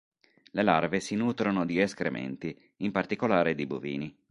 Le larve si nutrono di escrementi, in particolare di bovini.